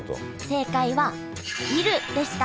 正解は「煎る」でした。